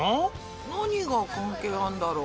何が関係あんだろ？